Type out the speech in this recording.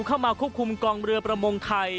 เข้ามาควบคุมกองเรือประมงไทย